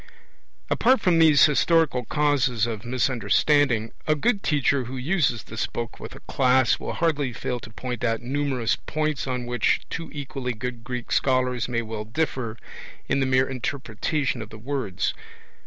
Apart from these historical causes of misunderstanding, a good teacher who uses this book with a class will hardly fail to point out numerous points on which two equally good Greek scholars may well differ in the mere interpretation of the words.